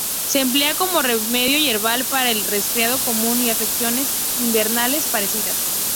Se emplea como remedio herbal para el resfriado común y afecciones invernales parecidas.